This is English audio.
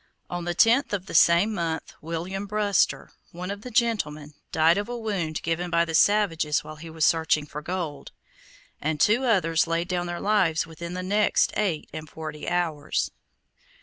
On the tenth of the same month William Bruster, one of the gentlemen, died of a wound given by the savages while he was searching for gold, and two others laid down their lives within the next eight and forty hours.